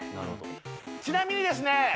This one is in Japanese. ちなみにですね